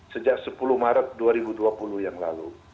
sejak sepuluh maret dua ribu dua puluh yang lalu